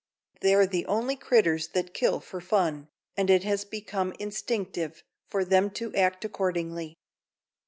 They're the only critters that kill fer fun," and it has become instinctive for them to act accordingly.